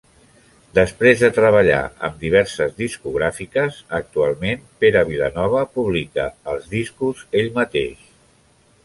Després de treballar amb diverses discogràfiques, actualment Pere Vilanova publica els discos ell mateix.